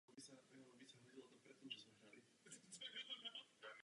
Tím začal ve městě rozkol.